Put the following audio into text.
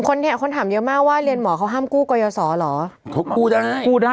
คนถามเยอะมากว่าเรียนหมอเขาห้ามกู้ก่อยสอเหรอเขากู้ได้กู้ได้